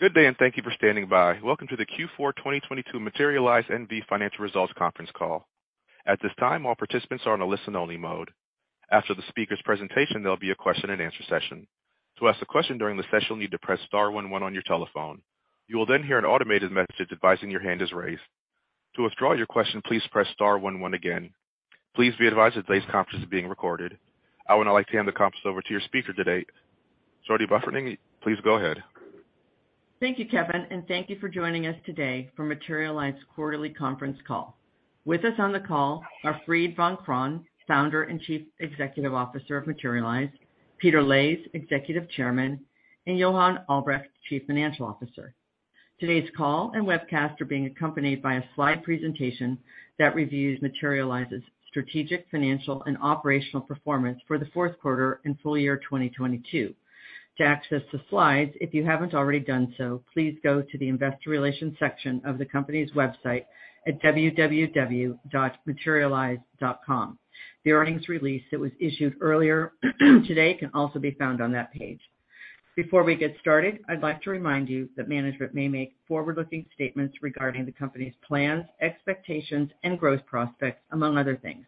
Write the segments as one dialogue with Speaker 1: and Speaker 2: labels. Speaker 1: Good day. Thank you for standing by. Welcome to the Q4 2022 Materialise NV Financial Results conference call. At this time, all participants are on a listen-only mode. After the speaker's presentation, there'll be a question-and-answer session. To ask a question during the session, you'll need to press star one one on your telephone. You will then hear an automated message advising your hand is raised. To withdraw your question, please press star one one again. Please be advised that today's conference is being recorded. I would now like to hand the conference over to your speaker today, Jody Burfening. Please go ahead.
Speaker 2: Thank you, Kevin, and thank you for joining us today for Materialise quarterly conference call. With us on the call are Fried Vancraen, Founder and Chief Executive Officer of Materialise, Peter Leys, Executive Chairman, and Johan Albrecht, Chief Financial Officer. Today's call and webcast are being accompanied by a slide presentation that reviews Materialise's strategic, financial, and operational performance for the Q4 and full year 2022. To access the slides, if you haven't already done so, please go to the investor relations section of the company's website at www.materialise.com. The earnings release that was issued earlier today can also be found on that page. Before we get started, I'd like to remind you that management may make forward-looking statements regarding the company's plans, expectations, and growth prospects, among other things.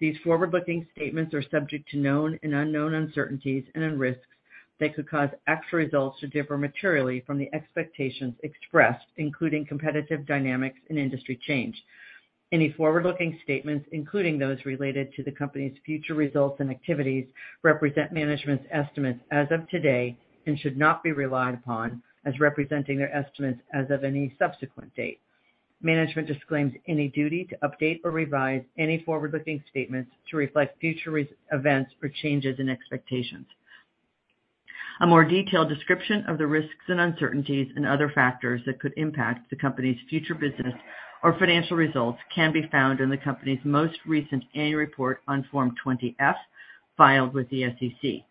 Speaker 2: These forward-looking statements are subject to known and unknown uncertainties and risks that could cause actual results to differ materially from the expectations expressed, including competitive dynamics and industry change. Any forward-looking statements, including those related to the company's future results and activities, represent management's estimates as of today and should not be relied upon as representing their estimates as of any subsequent date. Management disclaims any duty to update or revise any forward-looking statements to reflect future events or changes in expectations. A more detailed description of the risks and uncertainties and other factors that could impact the company's future business or financial results can be found in the company's most recent annual report on Form 20-F, filed with the SEC.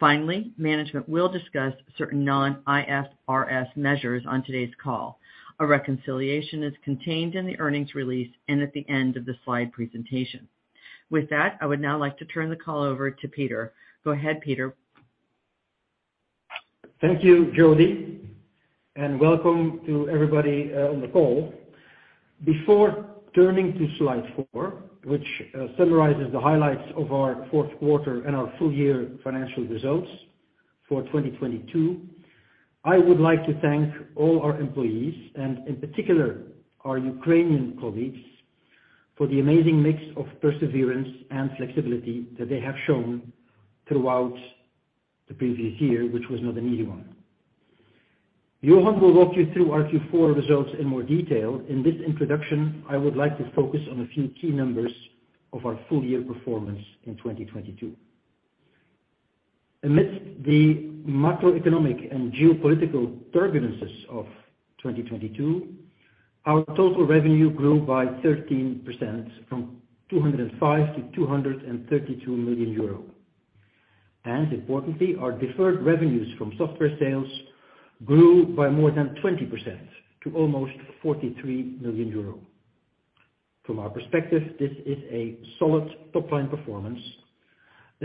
Speaker 2: Finally, management will discuss certain non-IFRS measures on today's call. A reconciliation is contained in the earnings release and at the end of the slide presentation. With that, I would now like to turn the call over to Peter. Go ahead, Peter.
Speaker 3: Thank you, Jody, welcome to everybody on the call. Before turning to slide four, which summarizes the highlights of our Q4 and our full year financial results for 2022, I would like to thank all our employees, in particular, our Ukrainian colleagues, for the amazing mix of perseverance and flexibility that they have shown throughout the previous year, which was not an easy one. Johan will walk you through our Q4 results in more detail. In this introduction, I would like to focus on a few key numbers of our full year performance in 2022. Amidst the macroeconomic and geopolitical turbulences of 2022, our total revenue grew by 13% from 205 million-232 million euro. Importantly, our deferred revenues from software sales grew by more than 20% to almost 43 million euro. From our perspective, this is a solid top-line performance,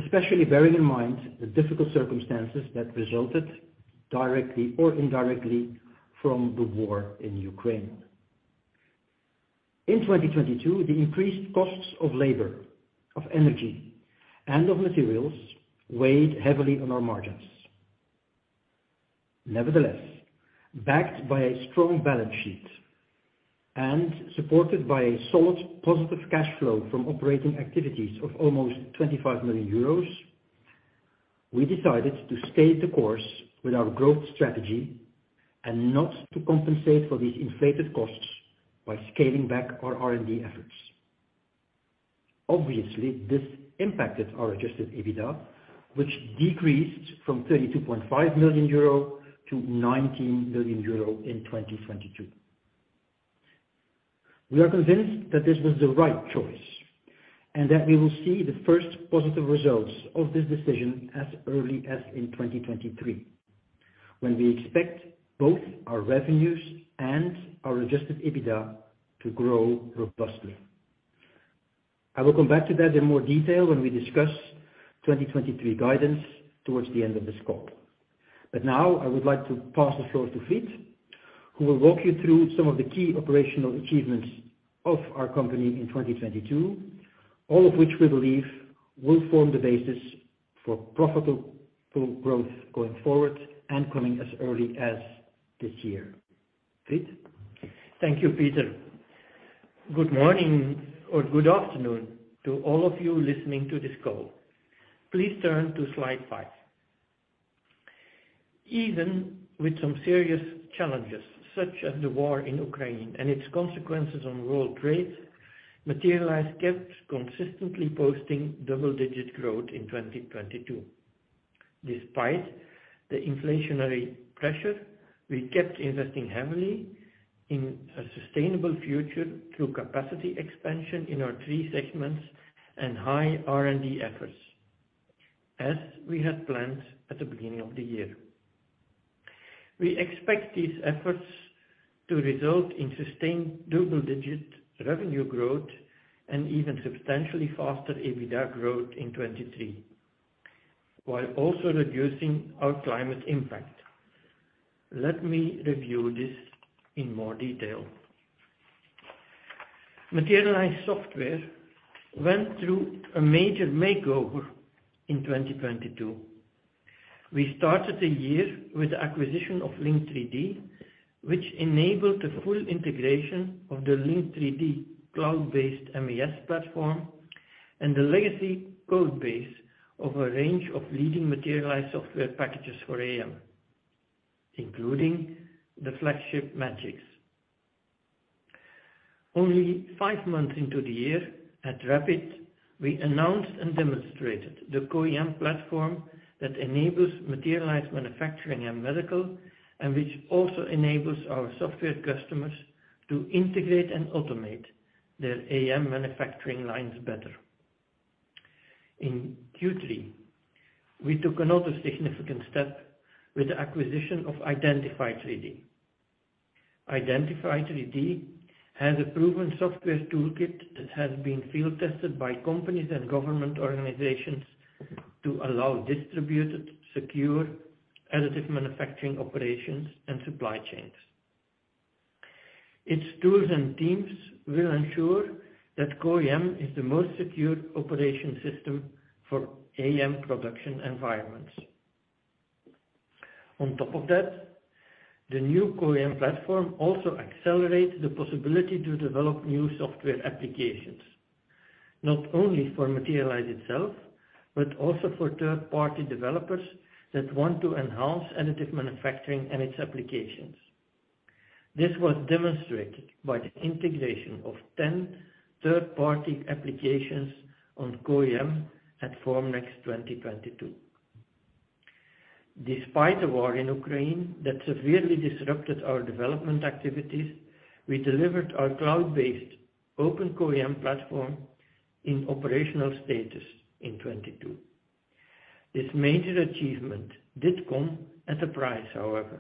Speaker 3: especially bearing in mind the difficult circumstances that resulted directly or indirectly from the war in Ukraine. In 2022, the increased costs of labor, of energy, and of materials weighed heavily on our margins. Nevertheless, backed by a strong balance sheet and supported by a solid positive cash flow from operating activities of almost 25 million euros, we decided to stay the course with our growth strategy and not to compensate for these inflated costs by scaling back our R&D efforts. Obviously, this impacted our adjusted EBITDA, which decreased from 32.5 million euro to 19 million euro in 2022. We are convinced that this was the right choice and that we will see the first positive results of this decision as early as in 2023, when we expect both our revenues and our adjusted EBITDA to grow robustly. I will come back to that in more detail when we discuss 2023 guidance towards the end of this call. Now I would like to pass the floor to Fried, who will walk you through some of the key operational achievements of our company in 2022, all of which we believe will form the basis for profitable growth going forward and coming as early as this year. Fried?
Speaker 4: Thank you, Peter. Good morning or good afternoon to all of you listening to this call. Please turn to slide five. Even with some serious challenges, such as the war in Ukraine and its consequences on world trade, Materialise kept consistently posting double-digit growth in 2022. Despite the inflationary pressure, we kept investing heavily in a sustainable future through capacity expansion in our three segments and high R&D efforts, as we had planned at the beginning of the year. We expect these efforts to result in sustained double-digit revenue growth and even substantially faster EBITDA growth in 2023, while also reducing our climate impact. Let me review this in more detail. Materialise Software went through a major makeover in 2022. We started the year with the acquisition of Link3D, which enabled the full integration of the Link3D cloud-based MES platform and the legacy code base of a range of leading Materialise software packages for AM, including the flagship Magics. Only five months into the year, at RAPID, we announced and demonstrated the CO-AM platform that enables Materialise Manufacturing and Medical. Which also enables our software customers to integrate and automate their AM manufacturing lines better. In Q3, we took another significant step with the acquisition of Identify3D. Identify3D has a proven software toolkit that has been field-tested by companies and government organizations to allow distributed, secure additive manufacturing operations and supply chains. Its tools and teams will ensure that CO-AM is the most secure operation system for AM production environments. On top of that, the new CO-AM platform also accelerates the possibility to develop new software applications, not only for Materialise itself, but also for third-party developers that want to enhance additive manufacturing and its applications. This was demonstrated by the integration of ten third-party applications on CO-AM at Formnext 2022. Despite the war in Ukraine that severely disrupted our development activities, we delivered our cloud-based open CO-AM platform in operational status in 2022. This major achievement did come at a price, however.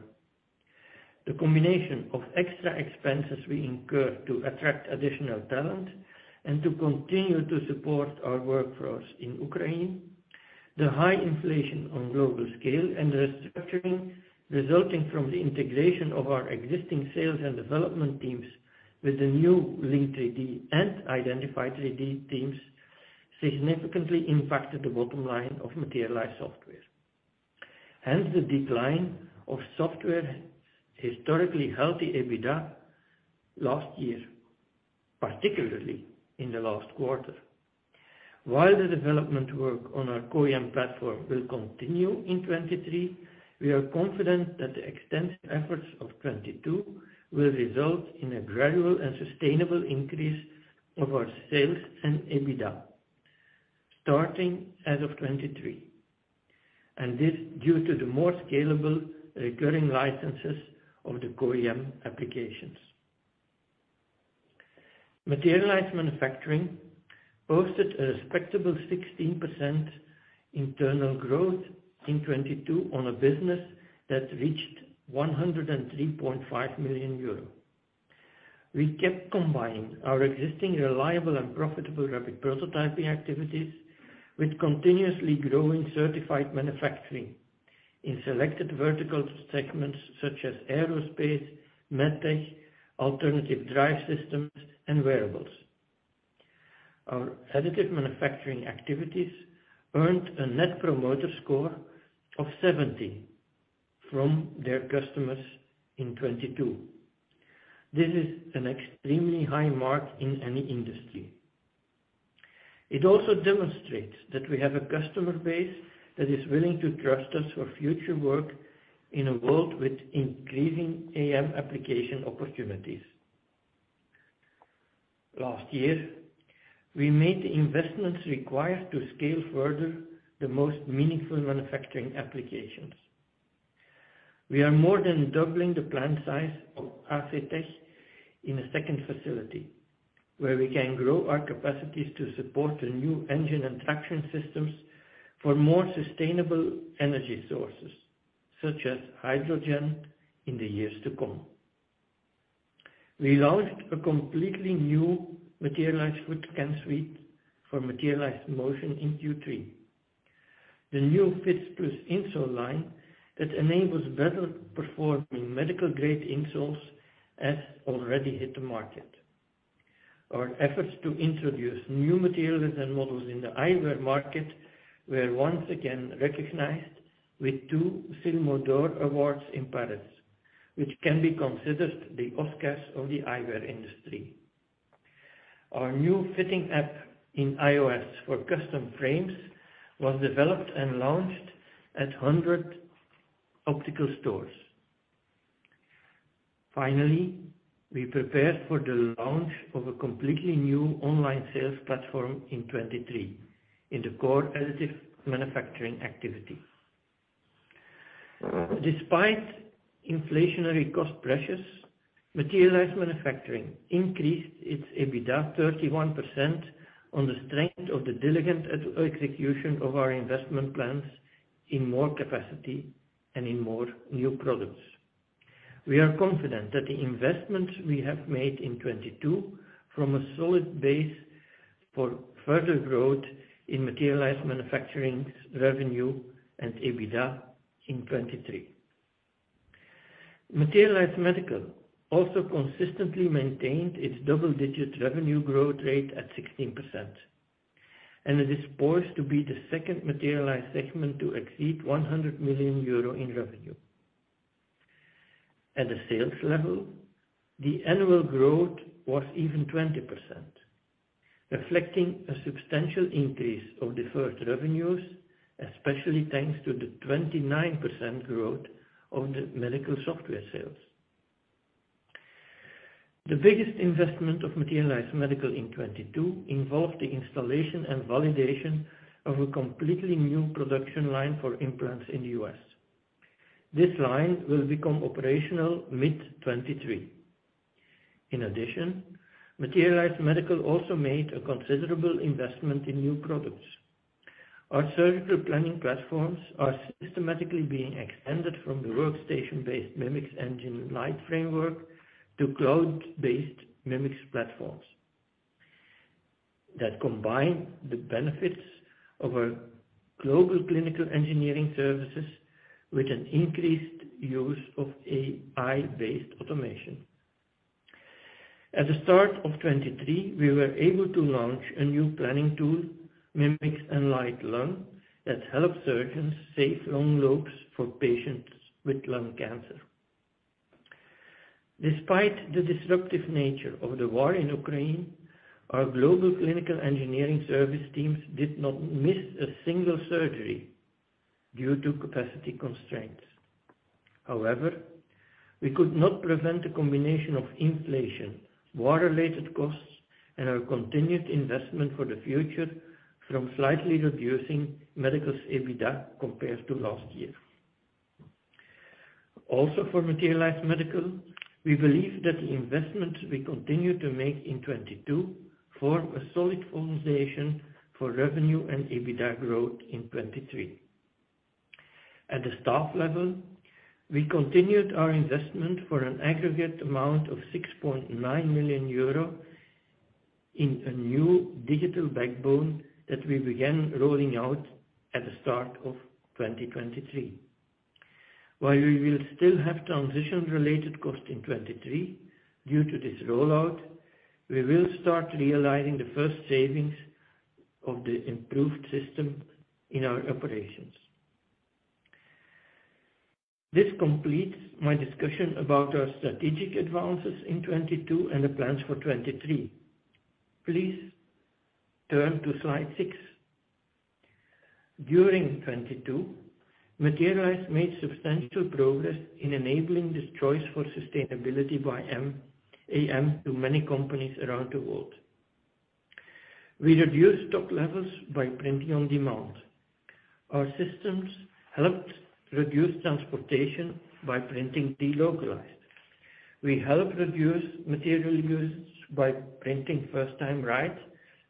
Speaker 4: The combination of extra expenses we incurred to attract additional talent and to continue to support our workforce in Ukraine, the high inflation on global scale, and the restructuring resulting from the integration of our existing sales and development teams with the new Link3D and Identify3D teams significantly impacted the bottom line of Materialise Software. Hence, the decline of software historically healthy EBITDA last year, particularly in the last quarter. While the development work on our CO-AM platform will continue in 2023, we are confident that the extensive efforts of 2022 will result in a gradual and sustainable increase of our sales and EBITDA, starting as of 2023. This due to the more scalable recurring licenses of the CO-AM applications. Materialise Manufacturing hosted a respectable 16% internal growth in 2022 on a business that reached 103.5 million euros. We kept combining our existing reliable and profitable rapid prototyping activities with continuously growing certified manufacturing in selected vertical segments such as aerospace, med tech, alternative drive systems, and wearables. Our additive manufacturing activities earned a net promoter score of 70 from their customers in 2022. This is an extremely high mark in any industry. It also demonstrates that we have a customer base that is willing to trust us for future work in a world with increasing AM application opportunities. Last year, we made the investments required to scale further the most meaningful manufacturing applications. We are more than doubling the plant size of ACTech in a second facility, where we can grow our capacities to support the new engine and traction systems for more sustainable energy sources, such as hydrogen, in the years to come. We launched a completely new Materialise Footscan Suite for Materialise Motion in Q3. The new phits+ insole line that enables better performing medical-grade insoles has already hit the market. Our efforts to introduce new materials and models in the eyewear market were once again recognized with 2 SILMO d'Or Awards in Paris, which can be considered the Oscars of the eyewear industry. Our new fitting app in iOS for custom frames was developed and launched at Hundred Optical Stores. We prepared for the launch of a completely new online sales platform in 2023 in the core additive manufacturing activity. Despite inflationary cost pressures, Materialise Manufacturing increased its EBITDA 31% on the strength of the diligent execution of our investment plans in more capacity and in more new products. We are confident that the investments we have made in 2022 from a solid base for further growth in Materialise Manufacturing's revenue and EBITDA in 2023. Materialise Medical also consistently maintained its double-digit revenue growth rate at 16%, and it is poised to be the second Materialise segment to exceed 100 million euro in revenue. At the sales level, the annual growth was even 20%, reflecting a substantial increase of deferred revenues, especially thanks to the 29% growth of the medical software sales. The biggest investment of Materialise Medical in 2022 involved the installation and validation of a completely new production line for implants in the U.S.. This line will become operational mid-2023. In addition, Materialise Medical also made a considerable investment in new products. Our surgical planning platforms are systematically being extended from the workstation-based Mimics Enlight framework to cloud-based Mimics platforms that combine the benefits of our global clinical engineering services with an increased use of AI-based automation. At the start of 2023, we were able to launch a new planning tool, Mimics Enlight 3D Lung, that helps surgeons save lung lobes for patients with lung cancer. Despite the disruptive nature of the war in Ukraine, our global clinical engineering service teams did not miss a single surgery due to capacity constraints. We could not prevent a combination of inflation, war-related costs, and our continued investment for the future from slightly reducing Materialise Medical's EBITDA compared to last year. For Materialise Medical, we believe that the investments we continue to make in 2022 form a solid foundation for revenue and EBITDA growth in 2023. At the staff level, we continued our investment for an aggregate amount of 6.9 million euro in a new digital backbone that we began rolling out at the start of 2023. While we will still have transition-related costs in 2023 due to this rollout, we will start realizing the first savings of the improved system in our operations. This completes my discussion about our strategic advances in 2022 and the plans for 2023. Please turn to slide six. During 2022, Materialise made substantial progress in enabling this choice for sustainability by AM to many companies around the world. We reduced stock levels by printing on demand. Our systems helped reduce transportation by printing delocalized. We helped reduce material use by printing first time right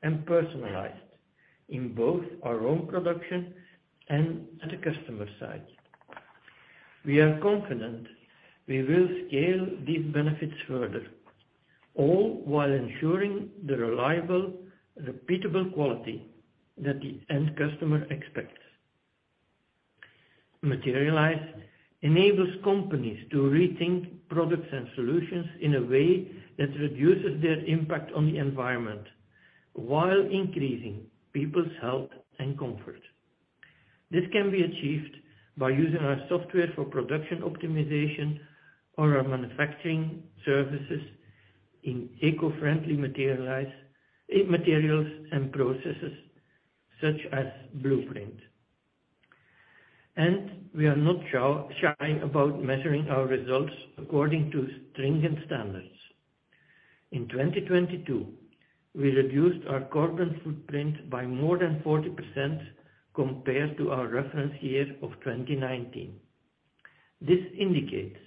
Speaker 4: and personalized in both our own production and at the customer site. We are confident we will scale these benefits further, all while ensuring the reliable, repeatable quality that the end customer expects. Materialise enables companies to rethink products and solutions in a way that reduces their impact on the environment while increasing people's health and comfort. This can be achieved by using our software for production optimization or our manufacturing services in eco-friendly Materialise, in materials and processes such as Bluesint. We are not shy about measuring our results according to stringent standards. In 2022, we reduced our carbon footprint by more than 40% compared to our reference year of 2019. This indicates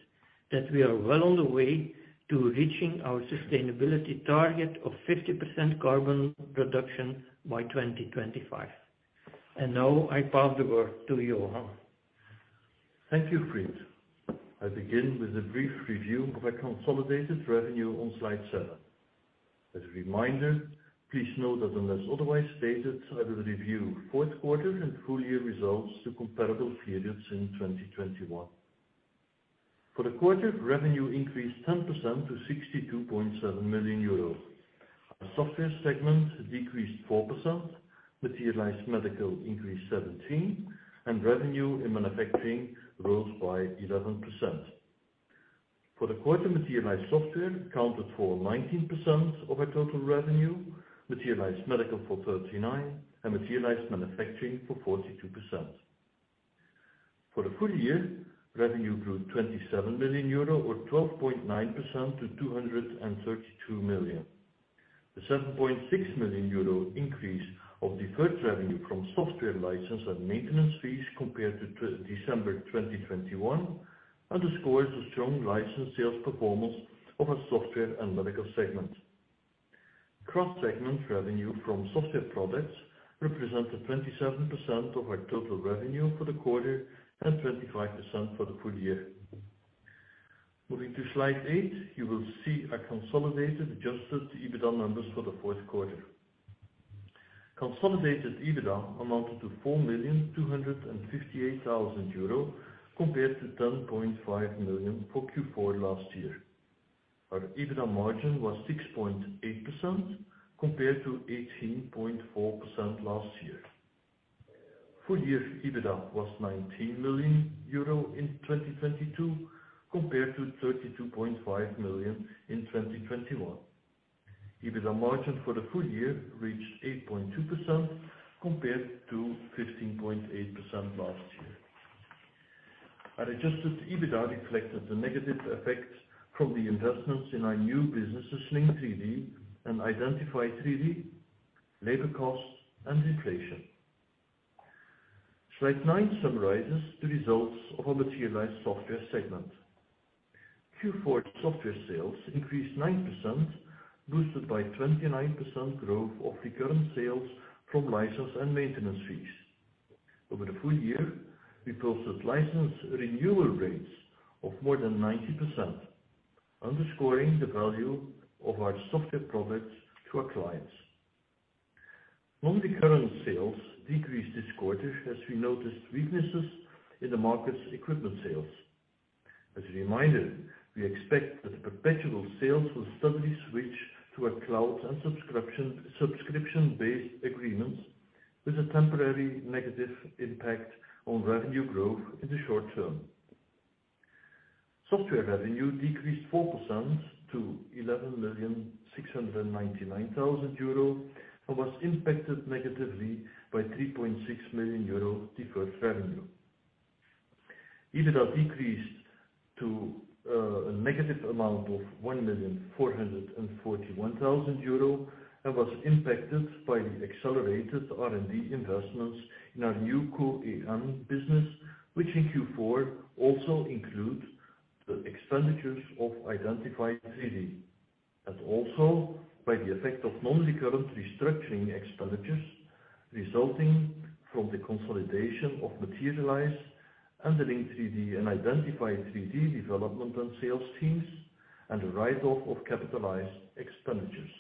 Speaker 4: that we are well on the way to reaching our sustainability target of 50% carbon reduction by 2025. Now I pass the work to Johan.
Speaker 5: Thank you, Fried. I begin with a brief review of our consolidated revenue on slide seven. As a reminder, please note that unless otherwise stated, I will review Q4 and full year results to comparable periods in 2021. For the quarter, revenue increased 10% to 62.7 million euros. Our software segment decreased 4%. Materialise Medical increased 17%, and revenue in manufacturing rose by 11%. For the quarter, Materialise Software accounted for 19% of our total revenue, Materialise Medical for 39%, and Materialise Manufacturing for 42%. For the full year, revenue grew 27 million euro, or 12.9% to 232 million. The seven point 6 million euro increase of deferred revenue from software license and maintenance fees compared to December 2021 underscores the strong license sales performance of our software and medical segments. Cross-segment revenue from software products represented 27% of our total revenue for the quarter, and 25% for the full year. Moving to slide eight, you will see our consolidated adjusted EBITDA numbers for the Q4. Consolidated EBITDA amounted to 4.258 million euro, compared to ten point five million for Q4 last year. Our EBITDA margin was 6.8% Compared to 18.4% Last year. Full year EBITDA was 19 million euro in 2022 compared to 32.5 Million in 2021. EBITDA margin for the full year reached 8.2% Compared to 15.8% Last year. Our adjusted EBITDA reflected the negative effects from the investments in our new businesses, Link3D and Identify3D, labor costs and inflation. Slide nine summarizes the results of our Materialise Software segment. Q4 software sales increased 9%, boosted by 29% growth of recurrent sales from license and maintenance fees. Over the full year, we posted license renewal rates of more than 90%, underscoring the value of our software products to our clients. Non-recurrent sales decreased this quarter as we noticed weaknesses in the market's equipment sales. As a reminder, we expect that the perpetual sales will suddenly switch to a cloud and subscription-based agreements with a temporary negative impact on revenue growth in the short term. Software revenue decreased 4% to 11.699 million euro and was impacted negatively by 3.6 million euro deferred revenue. EBITDA decreased to a negative amount of 1.441 million euro and was impacted by the accelerated R&D investments in our new CO-AM business, which in Q4 also include the expenditures of Identify3D, and also by the effect of non-recurrent restructuring expenditures resulting from the consolidation of Materialise and the Link3D and Identify3D development and sales teams, and the write-off of capitalized expenditures.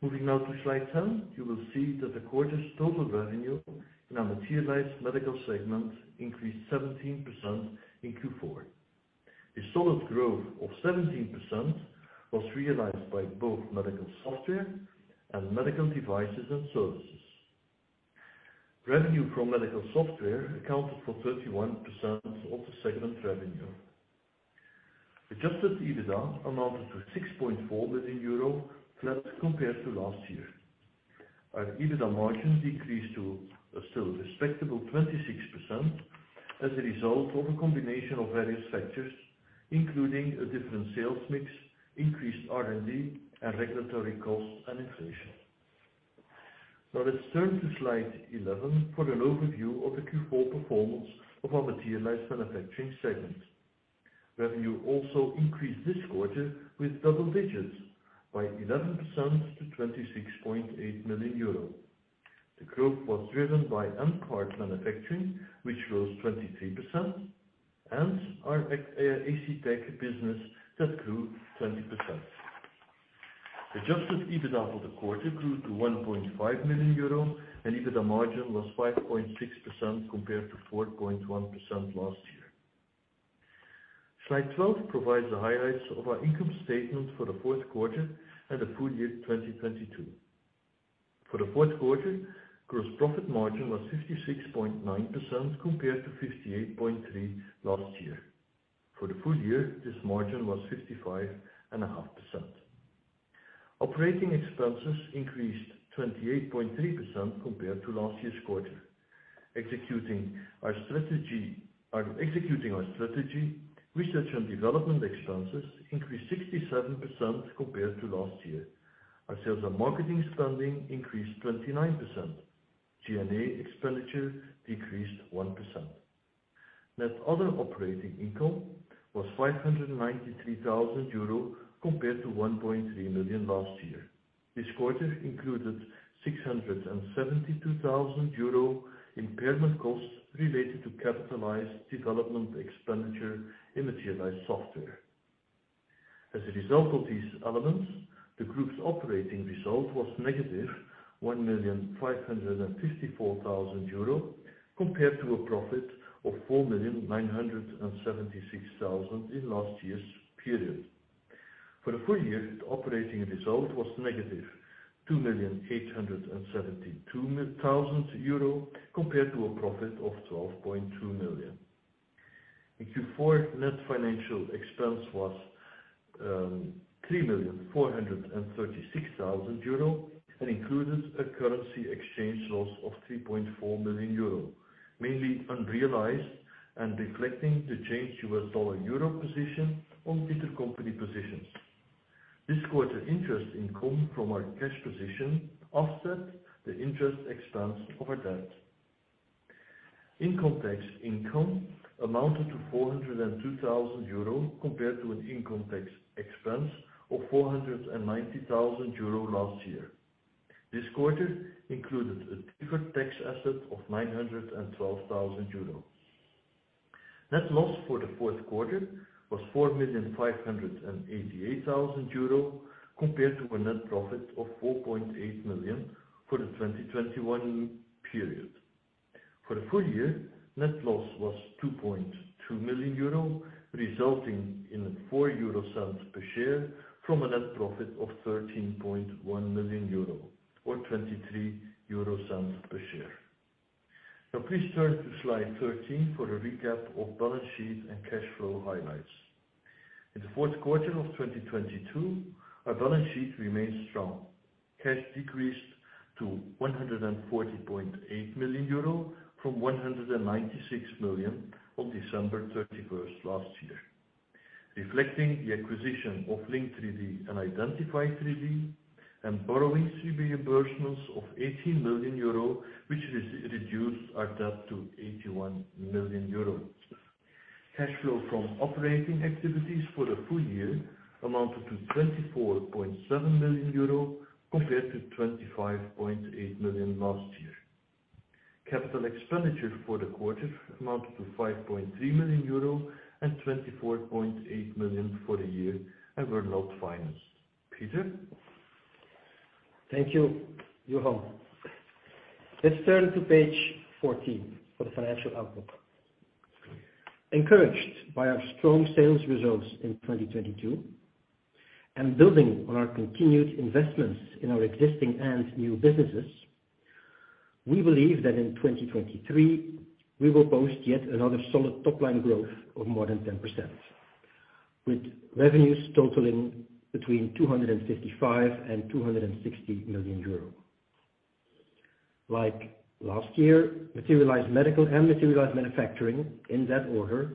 Speaker 5: Moving now to slide 10, you will see that the quarter's total revenue in our Materialise Medical segment increased 17% in Q4. A solid growth of 17% was realized by both medical software and medical devices and services. Revenue from medical software accounted for 31% of the segment revenue. Adjusted EBITDA amounted to 6.4 million euro, flat compared to last year. Our EBITDA margin decreased to a still respectable 26% as a result of a combination of various factors, including a different sales mix, increased R&D, and regulatory costs and inflation. Let's turn to slide 11 for an overview of the Q4 performance of our Materialise Manufacturing segment. Revenue also increased this quarter with double digits by 11% to 26.8 million euro. The growth was driven by mParts manufacturing, which rose 23%, and our ACTech business that grew 20%. Adjusted EBITDA for the quarter grew to 1.5 million euro, and EBITDA margin was 5.6% compared to 4.1% last year. Slide 12 provides the highlights of our income statement for the Q4 and the full year 2022. For the Q4, gross profit margin was 66.9% compared to 58.3% last year. For the full year, this margin was 55.5%. Operating expenses increased 28.3% compared to last year's quarter. Executing our strategy, R&D expenses increased 67% compared to last year. Our sales and marketing spending increased 29%. G&A expenditure decreased 1%. Net other operating income was 593,000 euro compared to 1.3 million last year. This quarter included 672,000 euro impairment costs related to capitalized development expenditure in Materialise Software. As a result of these elements, the group's operating result was -1.554 million euro compared to a profit of 4.976 million in last year's period. For the full year, the operating result was negative 2.872 million euro compared to a profit of 12.2 million. In Q4, net financial expense was 3.436 million euro and included a currency exchange loss of 3.4 million euro, mainly unrealized and reflecting the change US dollar/euro position on intercompany positions. This quarter, interest income from our cash position offset the interest expense over debt. Income tax income amounted to 402,000 euro compared to an income tax expense of 490,000 euro last year. This quarter included a deferred tax asset of 912,000 euro. Net loss for the Q4 was 4.588 million euro, compared to a net profit of 4.8 million for the 2021 period. For the full year, net loss was 2.2 million euro, resulting in 0.04 per share from a net profit of 13.1 million euro or 0.23 per share. Please turn to slide 13 for a recap of balance sheet and cash flow highlights. In the Q4 of 2022, our balance sheet remained strong. Cash decreased to 140.8 million euro from 196 million on December 31st last year, reflecting the acquisition of Link3D and Identify3D and borrowing disbursements of EUR 80 million, which reduced our debt to 81 million euros. Cash flow from operating activities for the full year amounted to 24.7 million euro compared to 25.8 million last year. CapEx for the quarter amounted to 5.3 million euro and 24.8 million for the year and were not financed. Peter?
Speaker 3: Thank you, Johan. Let's turn to page 14 for the financial outlook. Encouraged by our strong sales results in 2022 and building on our continued investments in our existing and new businesses, we believe that in 2023 we will post yet another solid top line growth of more than 10%, with revenues totaling between 255 million and 260 million euros. Like last year, Materialise Medical and Materialise Manufacturing, in that order,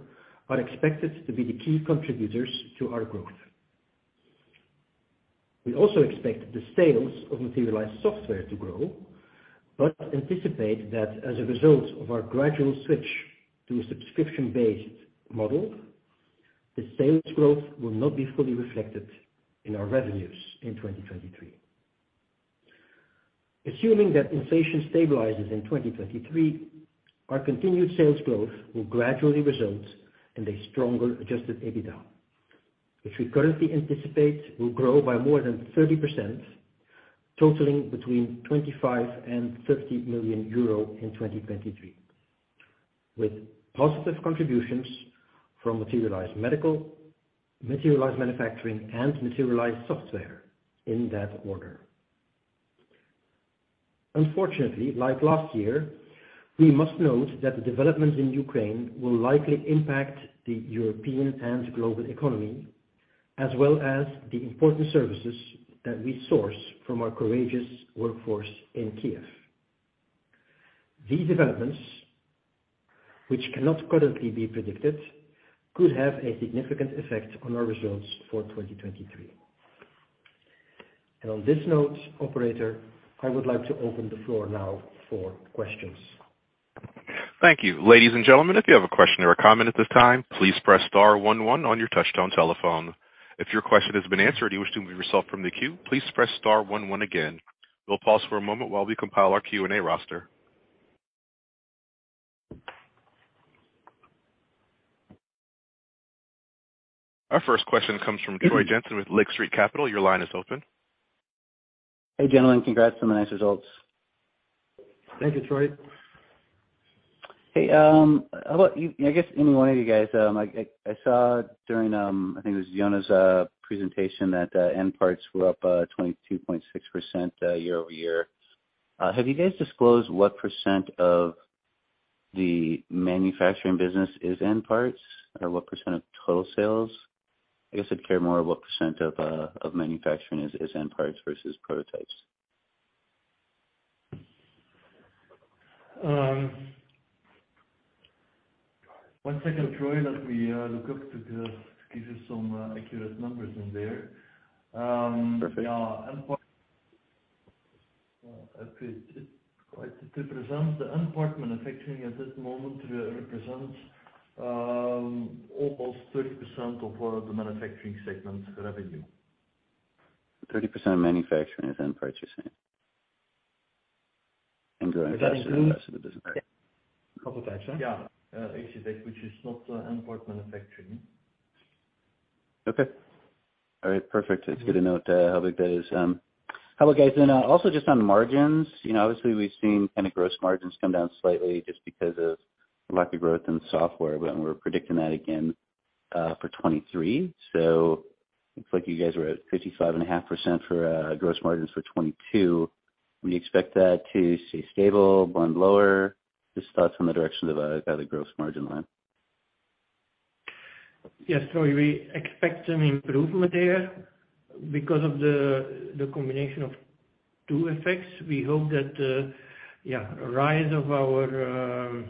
Speaker 3: are expected to be the key contributors to our growth. We also expect the sales of Materialise Software to grow, but anticipate that as a result of our gradual switch to a subscription-based model, the sales growth will not be fully reflected in our revenues in 2023. Assuming that inflation stabilizes in 2023, our continued sales growth will gradually result in a stronger adjusted EBITDA, which we currently anticipate will grow by more than 30%, totaling between 25 million and 30 million euro in 2023, with positive contributions from Materialise Medical, Materialise Manufacturing and Materialise Software, in that order. Unfortunately, like last year, we must note that the developments in Ukraine will likely impact the European and global economy as well as the important services that we source from our courageous workforce in Kyiv. These developments, which cannot currently be predicted, could have a significant effect on our results for 2023. On this note, operator, I would like to open the floor now for questions.
Speaker 1: Thank you. Ladies and gentlemen, if you have a question or a comment at this time, please press star one one on your touchtone telephone. If your question has been answered and you wish to remove yourself from the queue, please press star one one again. We'll pause for a moment while we compile our Q&A roster. Our first question comes from Troy Jensen with Lake Street Capital. Your line is open.
Speaker 6: Hey, gentlemen. Congrats on the nice results.
Speaker 5: Thank you, Troy.
Speaker 6: Hey, how about I guess any one of you guys, I saw during I think it was Johan's presentation that end parts were up 22.6% year-over-year. Have you guys disclosed what percent of the manufacturing business is end parts? Or what percent of total sales? I guess I'd care more what percent of manufacturing is end parts versus prototypes.
Speaker 5: One second, Troy. Let me look up to give you some accurate numbers in there.
Speaker 6: Perfect.
Speaker 5: To present the end part manufacturing at this moment represents almost 30% of our manufacturing segment revenue.
Speaker 6: 30% manufacturing is end purchasing? The rest of it.
Speaker 5: Prototypes.
Speaker 3: Yeah. ACTech, which is not end part manufacturing.
Speaker 6: Okay. All right. Perfect. It's good to note how big that is. How about, guys, and also just on margins, you know, obviously we've seen kind of gross margins come down slightly just because of lack of growth in software, and we're predicting that again for 2023. Looks like you guys were at 55.5% for gross margins for 2022. We expect that to stay stable, run lower. Just thoughts on the direction of the gross margin line.
Speaker 4: We expect an improvement there because of the combination of two effects. We hope that rise of our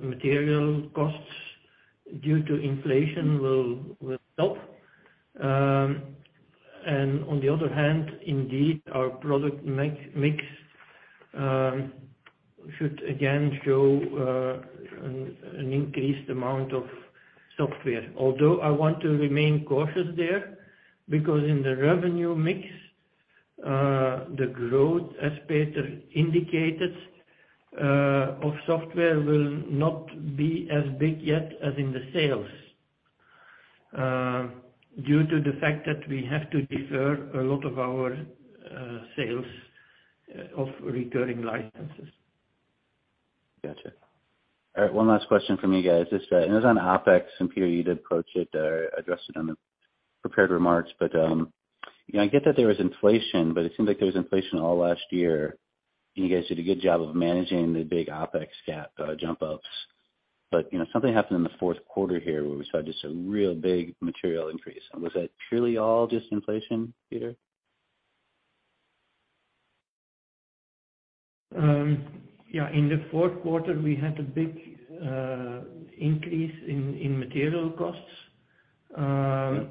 Speaker 4: material costs. Due to inflation will stop. On the other hand, indeed, our product mix should again show an increased amount of software. Although I want to remain cautious there because in the revenue mix, the growth, as Peter indicated, of software will not be as big yet as in the sales, due to the fact that we have to defer a lot of our sales of recurring licenses.
Speaker 6: Gotcha. All right. One last question for you guys. This is on OpEx, and Peter, you did approach it or address it on the prepared remarks. You know, I get that there was inflation, but it seems like there was inflation all last year. You guys did a good job of managing the big OpEx gap, jump ups. You know, something happened in the Q4 here where we saw just a real big material increase. Was that purely all just inflation, Peter?
Speaker 3: Yeah, in the Q4, we had a big increase in material costs.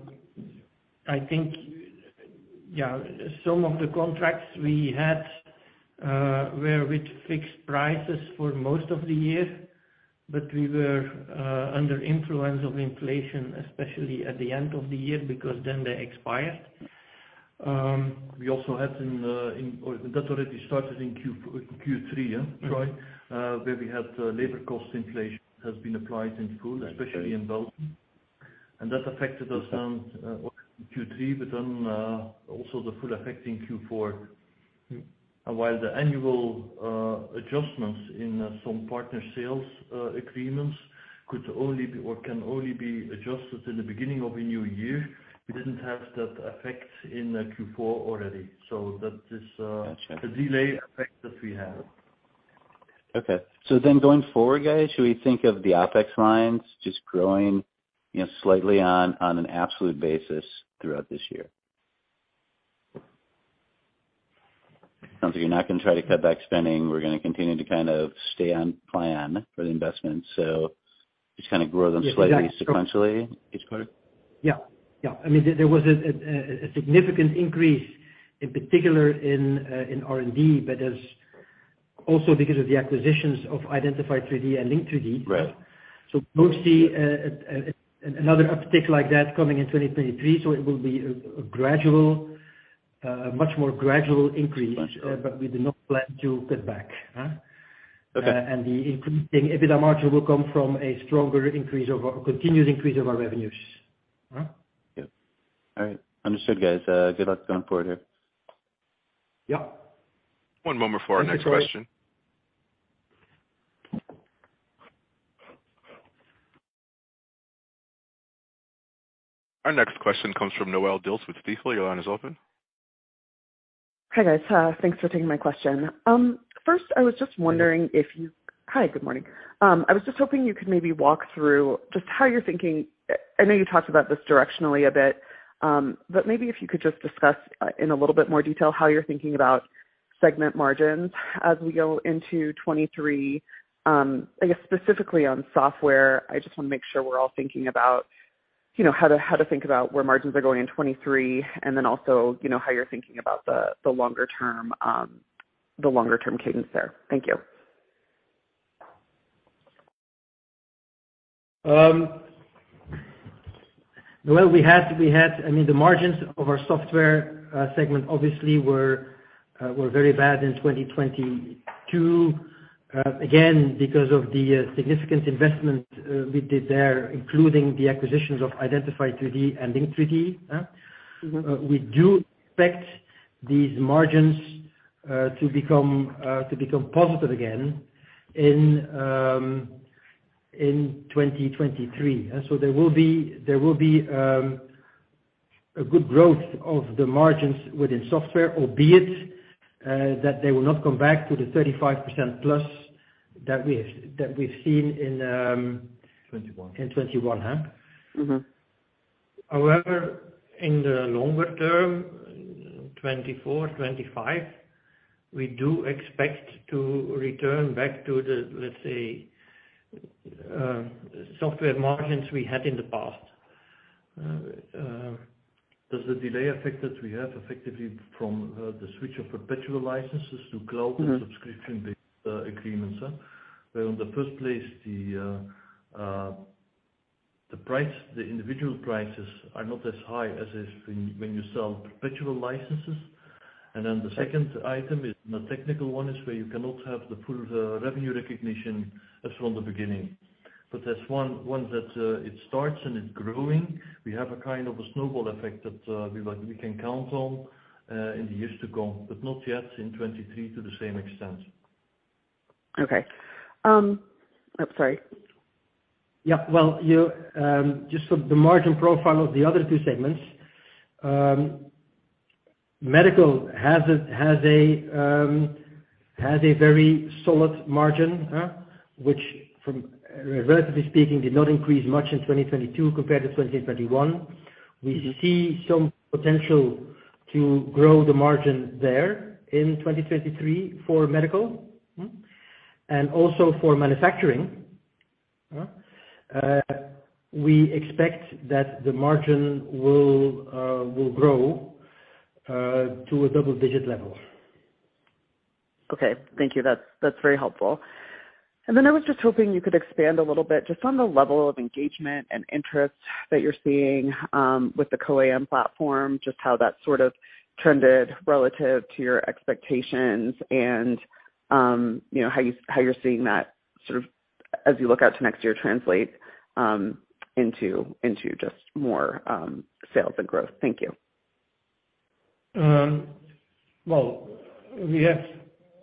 Speaker 3: I think, yeah, some of the contracts we had were with fixed prices for most of the year, but we were under influence of inflation, especially at the end of the year, because then they expired.
Speaker 5: We also had that already started in Q3, huh, Troy? We had labor cost inflation has been applied in full, especially in Belgium. That affected us around Q3, also the full effect in Q4.
Speaker 6: Mm-hmm.
Speaker 5: While the annual adjustments in some partner sales agreements can only be adjusted in the beginning of a new year, we didn't have that effect in Q4 already.
Speaker 6: Got you.
Speaker 5: The delay effect that we have.
Speaker 6: Okay. Going forward, guys, should we think of the OpEx lines just growing, you know, slightly on an absolute basis throughout this year? Sounds like you're not gonna try to cut back spending. We're gonna continue to kind of stay on plan for the investment. Just kind of grow them slightly sequentially each quarter.
Speaker 4: Yeah. Yeah. I mean, there was a significant increase, in particular in R&D, that's also because of the acquisitions of Identify3D and Link3D.
Speaker 6: Right.
Speaker 4: We'll see another uptick like that coming in 2023. It will be a gradual, much more gradual increase.
Speaker 6: Got you.
Speaker 4: We do not plan to cut back, huh?
Speaker 6: Okay.
Speaker 4: The increasing EBITDA margin will come from a stronger increase of our continuous increase of our revenues. Huh?
Speaker 6: Yeah. All right. Understood, guys. Good luck going forward here.
Speaker 4: Yeah.
Speaker 1: One moment for our next question.
Speaker 4: Thanks, Troy.
Speaker 1: Our next question comes from Noelle Dilts with Stifel. Your line is open.
Speaker 7: Hi, guys. Thanks for taking my question. First, Hi, good morning. I was just hoping you could maybe walk through just how you're thinking. I know you talked about this directionally a bit, maybe if you could just discuss in a little bit more detail how you're thinking about segment margins as we go into 23. I guess specifically on Software, I just wanna make sure we're all thinking about, you know, how to think about where margins are going in 23, also, you know, how you're thinking about the longer term, the longer term cadence there. Thank you.
Speaker 4: Well, I mean, the margins of our software segment obviously were very bad in 2022 again, because of the significant investment we did there, including the acquisitions of Identify3D and Link3D. We do expect these margins to become positive again in 2023. There will be a good growth of the margins within software, albeit that they will not come back to the 35%+ that we have, that we've seen in.
Speaker 5: Twenty-one.
Speaker 4: In 21. Huh?
Speaker 7: Mm-hmm.
Speaker 4: In the longer term, 2024, 2025, we do expect to return back to the, let's say, software margins we had in the past.
Speaker 5: There's a delay effect that we have effectively from the switch of perpetual licenses to global subscription-based agreements. Where in the first place, the price, the individual prices are not as high as if when you sell perpetual licenses. The second item is the technical one, is where you cannot have the full revenue recognition as from the beginning. As one that it starts and it's growing, we have a kind of a snowball effect that we can count on in the years to come, but not yet in 23 to the same extent.
Speaker 7: Okay. Oops, sorry.
Speaker 4: Yeah. Well, you, just for the margin profile of the other two segments, medical has a very solid margin, huh, which from, relatively speaking, did not increase much in 2022 compared to 2021. We see some potential to grow the margin there in 2023 for medical, and also for manufacturing, huh, we expect that the margin will grow to a double-digit level.
Speaker 7: Okay. Thank you. That's very helpful. I was just hoping you could expand a little bit just on the level of engagement and interest that you're seeing with the CO-AM platform, just how that sort of trended relative to your expectations and, you know, how you're seeing that sort of as you look out to next year translate into just more sales and growth. Thank you.
Speaker 4: Well, we have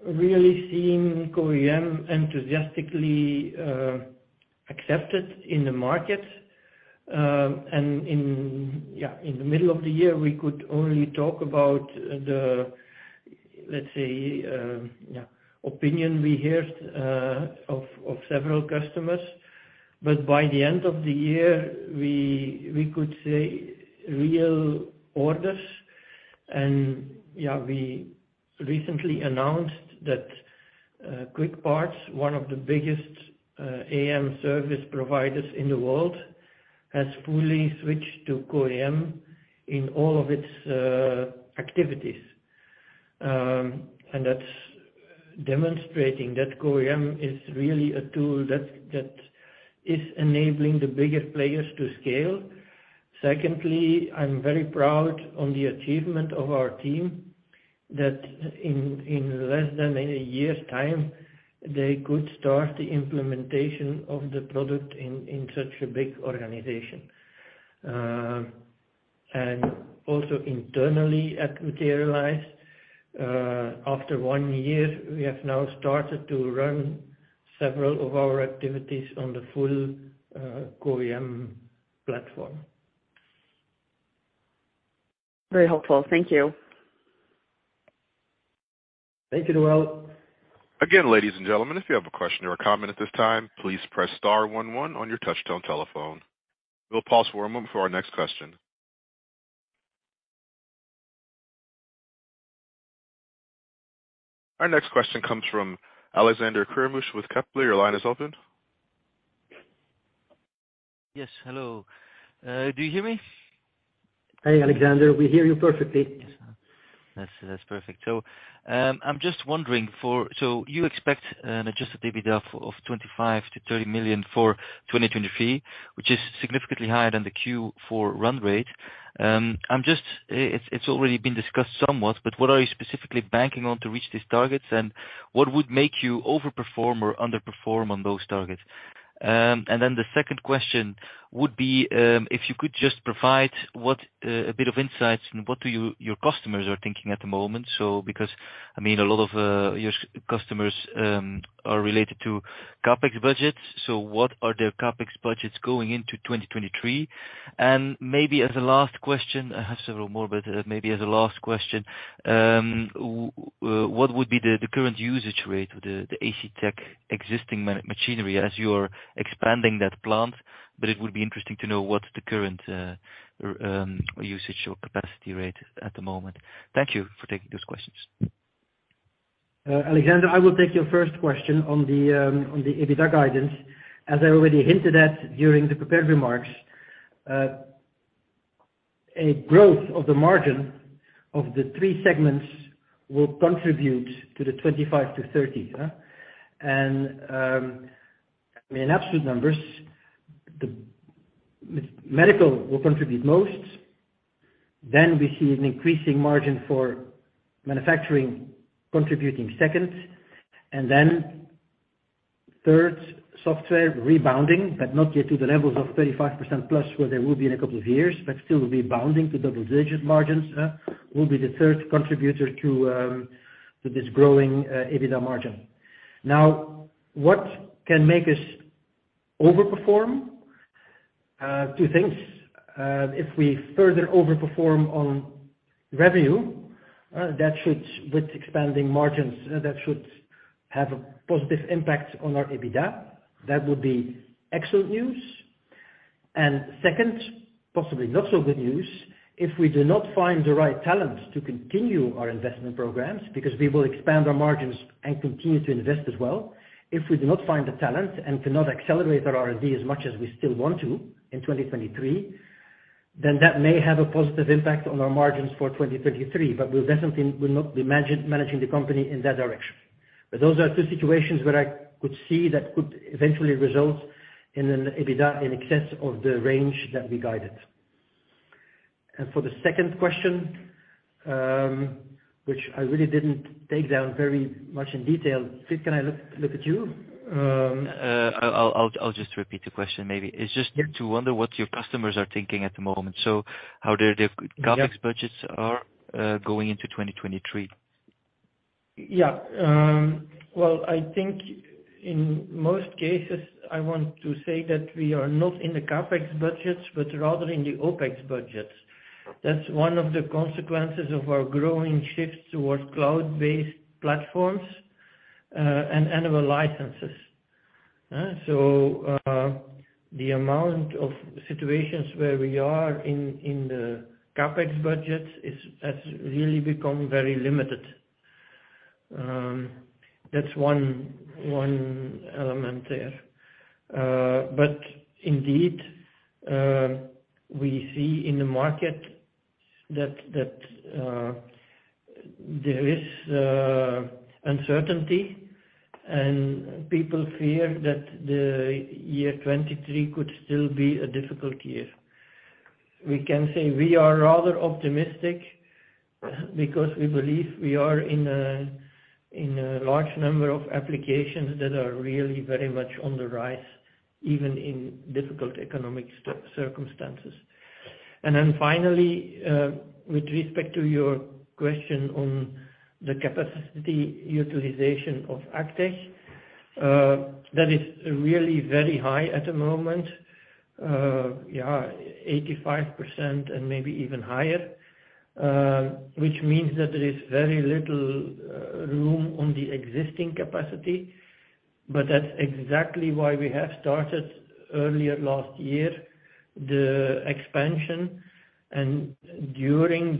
Speaker 4: really seen CO-AM enthusiastically accepted in the market. In the middle of the year, we could only talk about the, let's say, opinion we heard of several customers. By the end of the year, we could say real orders. We recently announced that Quickparts, one of the biggest AM service providers in the world, has fully switched to CO-AM in all of its activities. That's demonstrating that CO-AM is really a tool that is enabling the bigger players to scale. Secondly, I'm very proud on the achievement of our team that in less than a year's time, they could start the implementation of the product in such a big organization. Also internally at Materialise, after one year, we have now started to run several of our activities on the full CO-AM platform.
Speaker 7: Very helpful. Thank you.
Speaker 4: Thank you, Noelle.
Speaker 1: Again, ladies and gentlemen, if you have a question or a comment at this time, please press star one one on your touchtone telephone. We'll pause for a moment for our next question. Our next question comes from Alexander Craeymeersch with Kepler Cheuvreux. Your line is open.
Speaker 8: Yes, hello. Do you hear me?
Speaker 4: Hey, Alexander. We hear you perfectly.
Speaker 8: That's perfect. I'm just wondering, you expect an adjusted EBITDA of 25 million-30 million for 2023, which is significantly higher than the Q4 run rate. It's already been discussed somewhat, but what are you specifically banking on to reach these targets, and what would make you over perform or underperform on those targets? The second question would be, if you could just provide a bit of insights on what your customers are thinking at the moment. Because, I mean, a lot of your customers are related to CapEx budgets, what are their CapEx budgets going into 2023? maybe as a last question, I have several more, but maybe as a last question, what would be the current usage rate of the ACTech existing machinery as you're expanding that plant? It would be interesting to know what's the current usage or capacity rate at the moment. Thank you for taking those questions.
Speaker 4: Alexander, I will take your first question on the EBITDA guidance. As I already hinted at during the prepared remarks, a growth of the margin of the three segments will contribute to the 25%-30%. In absolute numbers, the Medical will contribute most. We see an increasing margin for Manufacturing contributing second, and third, Software rebounding, but not yet to the levels of 35%+, where they will be in a couple of years, but still will be bounding to double-digit margins, will be the third contributor to this growing EBITDA margin. What can make us over perform? Two things. If we further over perform on revenue, that should, with expanding margins, that should have a positive impact on our EBITDA. That would be excellent news. Second, possibly not so good news, if we do not find the right talent to continue our investment programs because we will expand our margins and continue to invest as well. If we do not find the talent and cannot accelerate our R&D as much as we still want to in 2023, then that may have a positive impact on our margins for 2023. We definitely will not be managing the company in that direction. Those are two situations where I could see that could eventually result in an EBITDA in excess of the range that we guided. For the second question, which I really didn't take down very much in detail. Piet, can I look at you?
Speaker 8: I'll just repeat the question maybe. It's just to wonder what your customers are thinking at the moment. How their CapEx budgets are going into 2023.
Speaker 4: Well, I think in most cases, I want to say that we are not in the CapEx budgets, but rather in the OpEx budgets. That's one of the consequences of our growing shift towards cloud-based platforms and annual licenses. The amount of situations where we are in the CapEx budget has really become very limited. That's one element there. Indeed, we see in the market that there is uncertainty and people fear that the year 2023 could still be a difficult year. We can say we are rather optimistic because we believe we are in a large number of applications that are really very much on the rise, even in difficult economic circumstances. Finally, with respect to your question on the capacity utilization of ACTech, that is really very high at the moment. Yeah, 85% and maybe even higher, which means that there is very little room on the existing capacity. That's exactly why we have started earlier last year, the expansion. During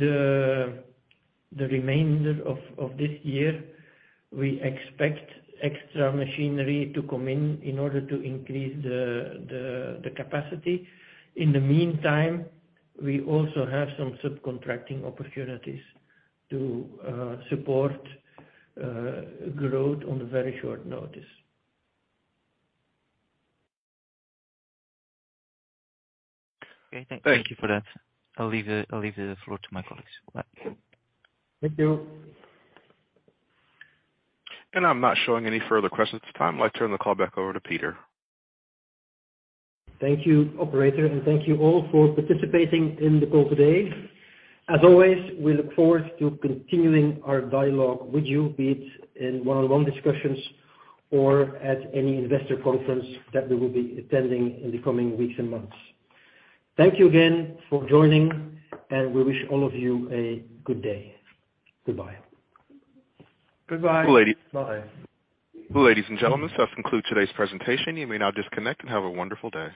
Speaker 4: the remainder of this year, we expect extra machinery to come in in order to increase the capacity. In the meantime, we also have some subcontracting opportunities to support growth on very short notice.
Speaker 8: Okay. Thank you for that. I'll leave the, I'll leave the floor to my colleagues. Bye.
Speaker 4: Thank you.
Speaker 1: I'm not showing any further questions at this time. I'd like to turn the call back over to Peter.
Speaker 3: Thank you, operator, and thank you all for participating in the call today. As always, we look forward to continuing our dialogue with you, be it in one-on-one discussions or at any investor conference that we will be attending in the coming weeks and months. Thank you again for joining, and we wish all of you a good day. Goodbye.
Speaker 8: Goodbye.
Speaker 1: Ladies-
Speaker 4: Bye.
Speaker 1: Ladies and gentlemen, this does conclude today's presentation. You may now disconnect, and have a wonderful day.